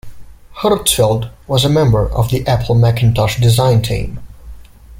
Hertzfeld was a member of the Apple Macintosh design team.